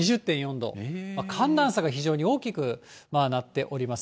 寒暖差が非常に大きくなっております。